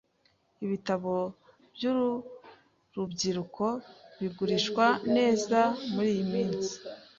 Ibitabo byurubyiruko bigurishwa neza muriyi minsi.